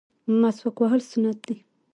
مسواک وهل سنت دي